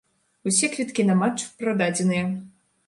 Усе квіткі на матч прададзеныя.